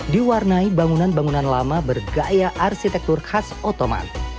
diwarnai bangunan bangunan lama bergaya arsitektur khas ottoman